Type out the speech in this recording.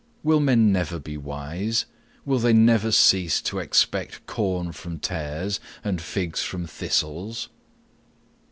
Will men never be wise? will they never cease to expect corn from tares, and figs from thistles?